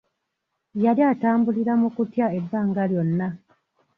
Yali atambulira mu kutya ebbanga lyonna.